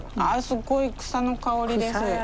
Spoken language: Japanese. あすごい草の香りです。